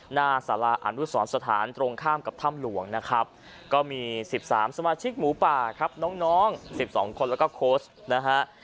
หน้าสาราอนุสรสถานตรงข้ามกับถ้ำหลวงนะครับก็มี๑๓สมาชิกหมูป่าครับน้อง๑๒คนแล้วก็โค้ชนะฮะ